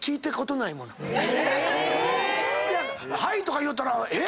え⁉「はい」とか言うたらえ